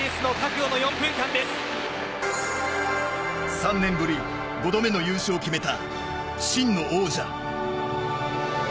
３年ぶり、５度目の優勝を決めた真の王者。